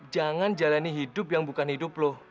jangan jalani hidup yang bukan hidup loh